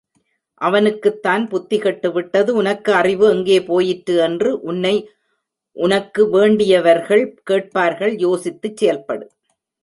அவனுக்குத்தான் புத்தி கெட்டுவிட்டது உனக்கு அறிவு எங்கே போயிற்று? என்று உன்னை உனக்கு வேண்டியவர்கள் கேட்பார்கள் யோசித்துச் செயல்படு.